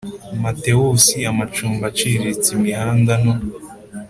Matheus Amacumbi aciriritse imihanda no